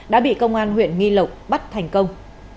đã bị công an huyện nghi lộc bắt thành công